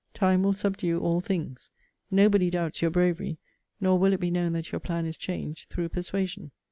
Time will subdue all things. Nobody doubts your bravery; nor will it be known that your plan is changed through persuasion.